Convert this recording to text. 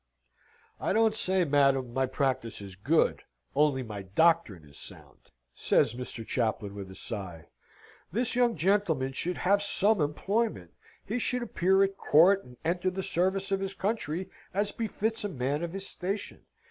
"I don't say, madam, my practice is good, only my doctrine is sound," says Mr. Chaplain with a sigh. "This young gentleman should have some employment. He should appear at court, and enter the service of his country, as befits a man of his station.